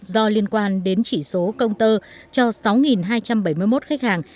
do liên quan đến chỉ số công tơ cho sáu hai trăm bảy mươi một khách hàng